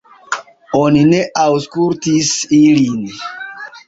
Oni ne aŭskultis ilin.